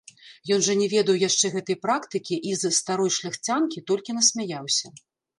Ён жа не ведаў яшчэ гэтай практыкі і з старой шляхцянкі толькі насмяяўся.